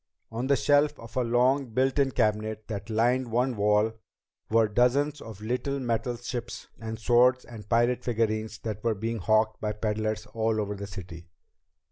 On the shelves of a long built in cabinet that lined one wall were dozens of the little metal ships and swords and pirate figurines that were being hawked by peddlers all over the city.